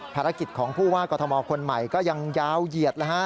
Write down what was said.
ภารกิจของผู้ว่ากรทมคนใหม่ก็ยังยาวเหยียดนะฮะ